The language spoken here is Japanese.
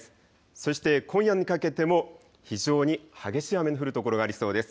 そして今夜にかけても非常に激しい雨の降る所がありそうです。